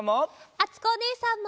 あつこおねえさんも。